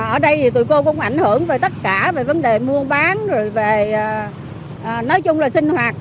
ở đây thì tụi cô cũng ảnh hưởng về tất cả về vấn đề mua bán rồi về nói chung là sinh hoạt